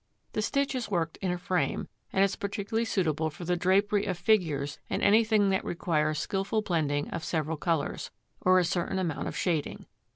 The stitch is worked in a frame, and is particularly suitable for the drapery of figures and anything that requires skilful blending of several colours, or a certain amount of shading.